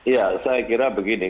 ya saya kira begini